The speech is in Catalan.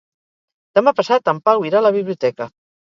Demà passat en Pau irà a la biblioteca.